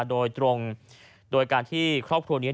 โดยการที่ครอบครัว